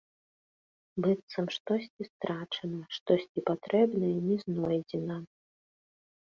Быццам штосьці страчана, штосьці патрэбнае не знойдзена.